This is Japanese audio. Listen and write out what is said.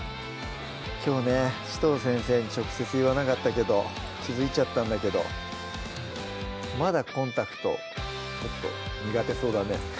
きょうね紫藤先生に直接言わなかったけど気付いちゃったんだけどまだコンタクトちょっと苦手そうだね